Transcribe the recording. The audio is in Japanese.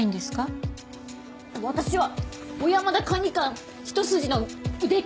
私は小山田管理官一筋のデカオタク。